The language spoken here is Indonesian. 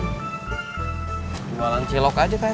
bukannya coba coba aja kang